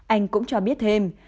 anh cũng cho biết thêm